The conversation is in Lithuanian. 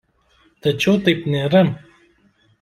Tačiau taip nėra.